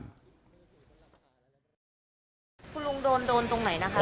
คุณลุงโดนโดนตรงไหนนะคะ